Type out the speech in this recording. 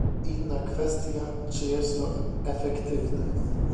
Inna kwestia, czy jest to efektywne